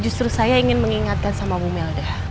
justru saya ingin mengingatkan sama bu mel dah